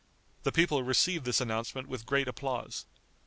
The people received this announcement with great applause.